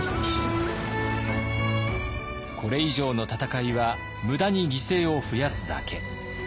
これ以上の戦いは無駄に犠牲を増やすだけ。